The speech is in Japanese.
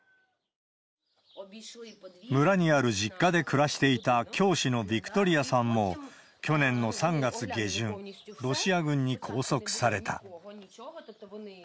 村にある実家で暮らしていた教師のヴィクトリアさんも、去年の３月下旬、ロシア軍に拘束された。